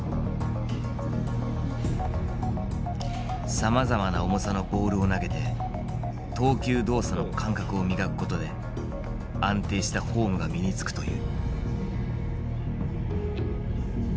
さまざまな重さのボールを投げて投球動作の感覚を磨くことで安定したフォームが身につくという。